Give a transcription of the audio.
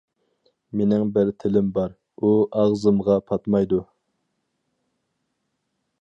مېنىڭ بىر تىلىم بار، ئۇ ئاغزىمغا پاتمايدۇ.